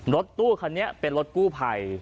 รถตู้คันนี้เป็นรถกู้ภัย